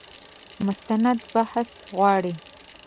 مستند بحث غواړي.